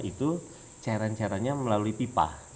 itu cairan cairannya melalui pipa